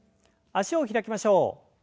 脚を開きましょう。